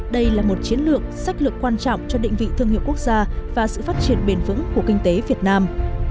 đây là một chiến lược sách lược quan trọng cho định vị thương hiệu quốc gia và sự phát triển bền vững của kinh tế việt nam